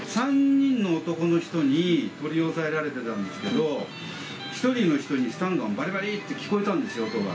３人の男の人に取り押さえられてたんですけど、１人の人にスタンガンをばりばりって聞こえたんですよ、音が。